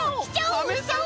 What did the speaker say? おカメさん